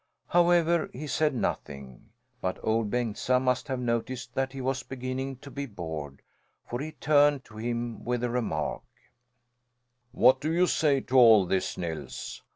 However, he said nothing; but Ol' Bengtsa must have noticed that he was beginning to be bored, for he turned to him with the remark: "What do you say to all this, Nils?